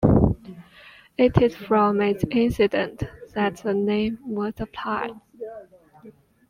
It is from this incident that the name was applied.